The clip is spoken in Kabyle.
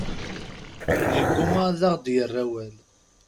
Yeggumma ad aɣ-d-yerr awal.